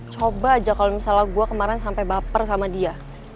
coba aja kalo misalnya gua kemarin sampe baper sama dia